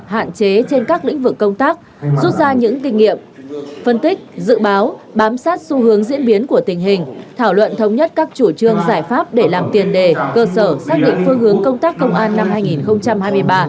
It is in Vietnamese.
hạn chế trên các lĩnh vực công tác rút ra những kinh nghiệm phân tích dự báo bám sát xu hướng diễn biến của tình hình thảo luận thống nhất các chủ trương giải pháp để làm tiền đề cơ sở xác định phương hướng công tác công an năm hai nghìn hai mươi ba